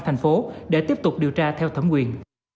thành phố để tiếp tục điều tra theo thẩm quyền